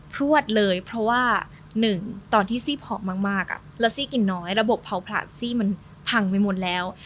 พลวดเลยเพราะว่าหนึ่งตอนที่ซี่หอมมากแล้วซี่กลิ่นน้อยระบบเผาผลาดซี่มันพังไปหมดแล้ว